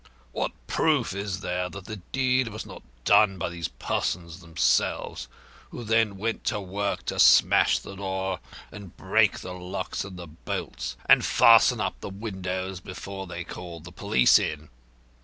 What proof is there that the deed was not done by these persons themselves, who then went to work to smash the door and break the locks and the bolts, and fasten up all the windows before they called the police in?